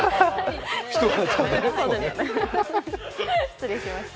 失礼しました。